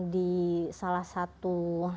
di salah satu